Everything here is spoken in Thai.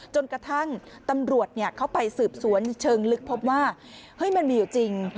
จนกระทั่งตำรวจเข้าไปสืบสวนเชิงลึกพบว่ามันมีอยู่จริง